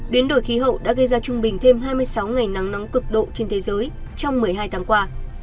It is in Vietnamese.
biến đổi khí hậu đã gây ra trung bình thêm hai mươi sáu ngày nắng nóng cực độ trên thế giới trong một mươi hai tháng qua